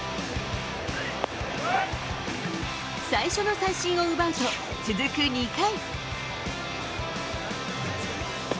最初の三振を奪うと、続く２回。